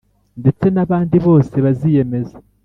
ndetse n abandi bose baziyemeza